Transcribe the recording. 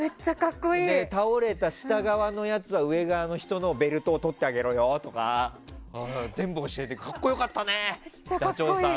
倒れた、下側のやつは上側の人のベルトを取ってあげろよとか全部教えてくれて格好良かったね、ダチョウさん。